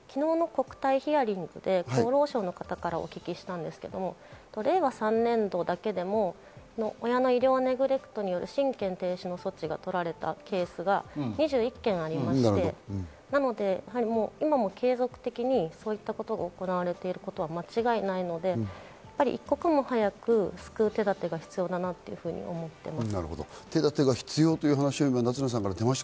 昨日の国対ヒアリングで厚労省の方からお聞きしたんですけれども、令和３年度だけでも親の医療ネグレクト、親権という措置が取られたケースは２１件ありまして、なので今も継続的にそういったことが行われていることは間違いないので、一刻も早く救う手立てが必要だなと思っています。